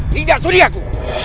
tidak sudi aku